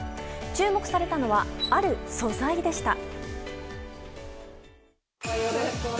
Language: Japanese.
注目されたのは、ある素材でした。